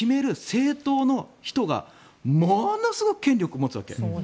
政党の人がものすごく権力を持つわけ。